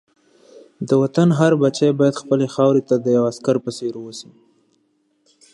سیاسي نظام باید ځواب ورکوونکی وي